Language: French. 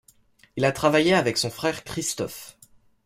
Il a travaillé avec son frère Christophe.